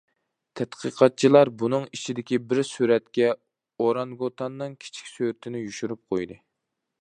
تەتقىقاتچىلار بۇنىڭ ئىچىدىكى بىر سۈرەتكە ئورانگۇتاننىڭ كىچىك سۈرىتىنى يوشۇرۇپ قويدى.